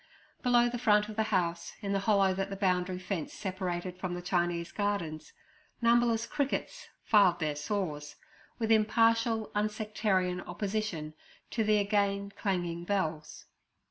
Below the front of the house, in the hollow that the boundary fence separated from the Chinese gardens, numberless crickets 'filed their saws' with impartial, unsectarian opposition to the again changing bells.